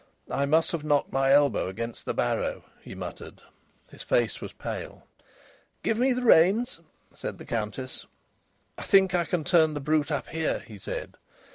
"I must have knocked my elbow against the barrow," he muttered. His face was pale. "Give me the reins," said the Countess. "I think I can turn the brute up here," he said.